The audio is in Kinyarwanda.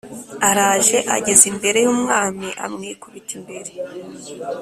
araje Ageze imbere y umwami amwikubita imbere